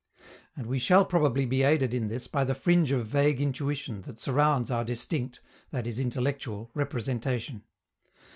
And we shall probably be aided in this by the fringe of vague intuition that surrounds our distinct that is, intellectual representation.